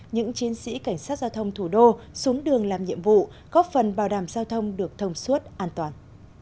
những chiến sĩ cảnh sát giao thông thủ đô xuống đường làm nhiệm vụ góp phần bảo đảm giao thông được thông suốt an toàn